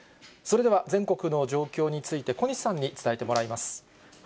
それでは、全国の状況について、小西さんに伝えてもらいます。